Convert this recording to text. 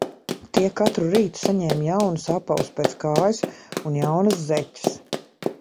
Tie katru rītu saņēma jaunus apavus pēc kājas un jaunas zeķes.